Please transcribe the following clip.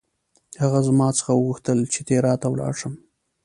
هغه زما څخه وغوښتل چې تیراه ته ولاړ شم.